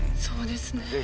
そうですね。